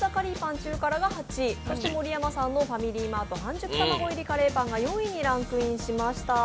中辛が８位、そして盛山さんのファミリーマート半熟たまご入りカレーパンが４位に入りました。